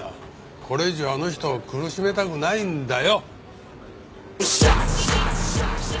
これ以上あの人を苦しめたくないんだよ。